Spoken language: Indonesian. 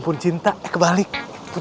jangan main main lukman